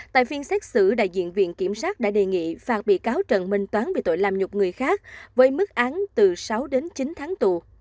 tại phiên xét xử đại diện viện kiểm sát đã đề nghị phạt bị cáo trần minh toán về tội làm nhục người khác với mức án từ sáu đến chín tháng tù